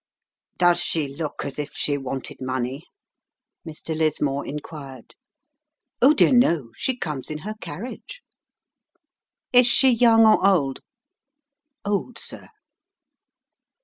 "Does she look as if she wanted money?" Mr. Lismore inquired. "Oh dear, no! She comes in her carriage." "Is she young or old?" "Old, sir."